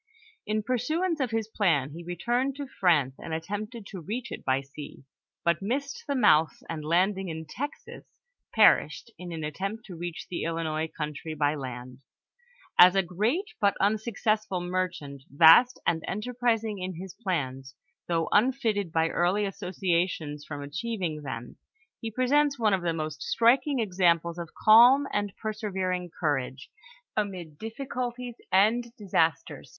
In pursuance of his plan he returned to France, and attempted to reach it by sea, but missed the mouth, and landing in Texas, perished in an attempt to reach the Illinois country by land. As a great but un successful merehont, vost and enterprising in his plans, though unfitted by early associations from achieving them, he presents one of the most striking examples of calm and persevering couroge amid difl^culties and disasters.